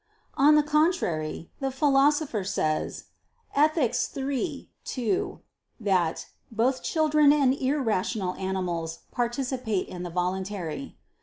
On the contrary, The Philosopher says (Ethic. iii, 2) that "both children and irrational animals participate in the voluntary."